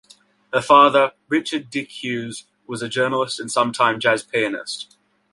Her father, Richard "Dick" Hughes, was a journalist and sometime jazz pianist.